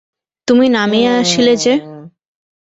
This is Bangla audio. তুমি নামিয়া আসিলে যে!